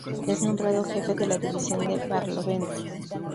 Es nombrado Jefe de la División de Barlovento.